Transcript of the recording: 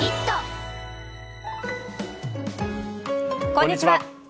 こんにちは。